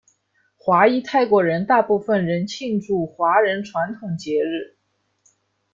华裔泰国人大部分仍庆祝华人传统节日。